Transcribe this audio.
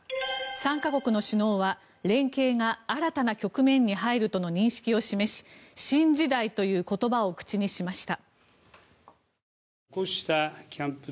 ３か国の首脳は、連携が新たな局面に入るとの認識を示し新時代という言葉を口にしました。